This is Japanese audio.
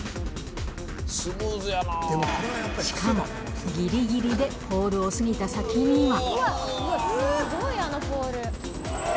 しかも、ぎりぎりでポールを過ぎた先には。